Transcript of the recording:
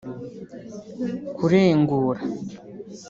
kurengura